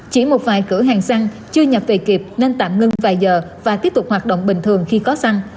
chỉ một vài cửa hàng xăng chưa nhập về kịp nên tạm ngưng vài giờ và tiếp tục hoạt động bình thường khi có xăng